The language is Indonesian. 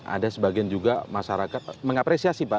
ada sebagian juga masyarakat mengapresiasi pak